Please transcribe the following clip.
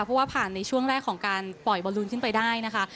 เพราะว่าผ่านในช่วงแรกของการปล่อยบอลลูนขึ้นไปได้นะคะ